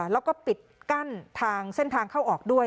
แล้วก็ปิดกั้นทางเส้นทางเข้าออกด้วย